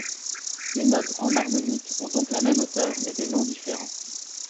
Des notes enharmoniques ont donc la même hauteur, mais des noms différents.